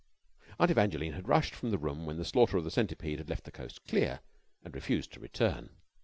Aunt Evangeline had rushed from the room when the slaughter of the centipede had left the coast clear, and refused to return.